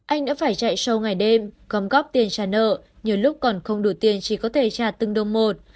anh đã phải chạy show ngày đêm gom góc tiền trả nợ nhiều lúc còn không đủ tiền chỉ có thể trả từng đồng một